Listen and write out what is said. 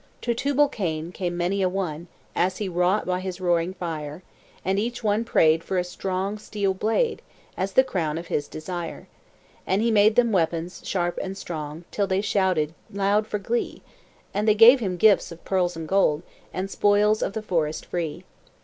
To Tubal Cain came many a one, As he wrought by his roaring fire; And each one prayed for a strong steel blade, As the crown of his desire; And he made them weapons sharp and strong, Till they shouted loud for glee; And they gave him gifts of pearls and gold, And spoils of the forest free.